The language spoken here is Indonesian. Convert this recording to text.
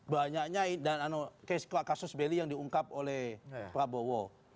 banyaknya dan kasus beli yang diungkap oleh prabowo